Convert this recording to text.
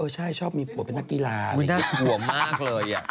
น่ากลัวมากเลย